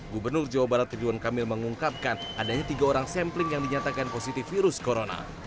gubernur jawa barat ridwan kamil mengungkapkan adanya tiga orang sampling yang dinyatakan positif virus corona